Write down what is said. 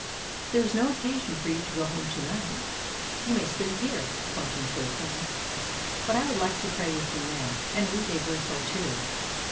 "There is no occasion for you to go home to night; you may sleep there," (pointing to a corner), "but I would like to pray with you now, and read a verse or two."